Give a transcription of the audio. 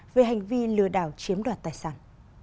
về hành vi lừa đảo chiếm đoạt tài sản